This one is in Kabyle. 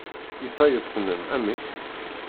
I tayet-nnem, amek?